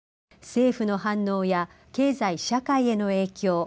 政府の反応や経済社会への影響